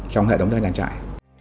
trong hệ thống trang trại